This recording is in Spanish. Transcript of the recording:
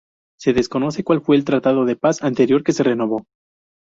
Se desconoce cuál fue el tratado de paz anterior que se renovó.